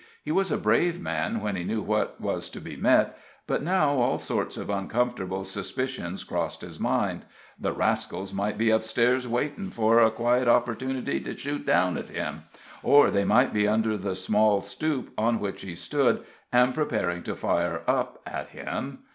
He was a brave man when he knew what was to be met, but now all sorts of uncomfortable suspicions crossed his mind; the rascals might be up stairs waiting for a quiet opportunity to shoot down at him, or they might be under the small stoop on which he stood, and preparing to fire up at him.